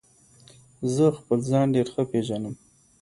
زه خپل ځان ډیر ښه پیژنم.